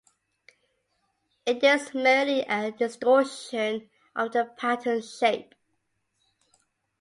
It is merely a distortion of the pattern's shape.